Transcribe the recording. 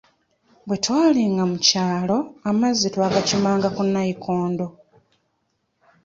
Bwetwalinga mu kyalo, amazzi twagakimanga ku nnayikondo.